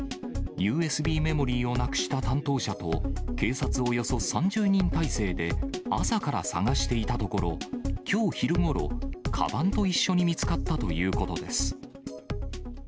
ＵＳＢメモリーをなくした担当者と、警察およそ３０人態勢で、朝から探していたところ、きょう昼ごろ、かばんと一緒に見つかったということです。